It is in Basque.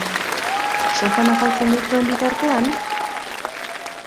Sofan afaltzen duzuen bitartean?